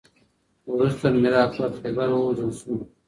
وروسته میر اکبر خیبر ووژل شو.